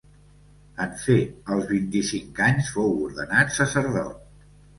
En fer els vint-i-cinc anys fou ordenat sacerdot.